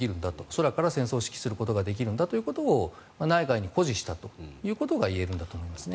空から戦争を指揮することができるんだということを内外に誇示したということが言えるんだと思います。